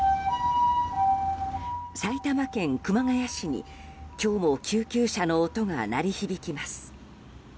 埼玉県熊谷市に、今日も救急車の音が鳴り響きます。